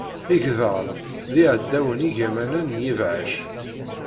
Igḍaḍ d iɛdawen igamanen n yebɛac.